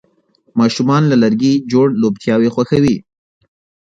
ماشومان له لرګي جوړ لوبتیاوې خوښوي.